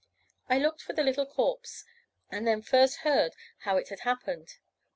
I looked for the little corpse, and then first heard how it had happened.